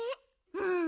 うん。